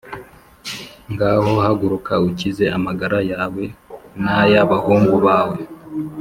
Ngaho haguruka ukize amagara yawe nayaba hungu bawe